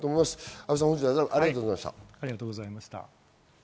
阿部さん、ありがとうございました。